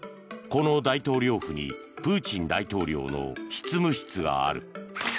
この大統領府にプーチン大統領の執務室がある。